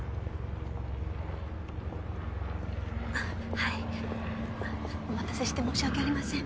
はいお待たせして申し訳ありません。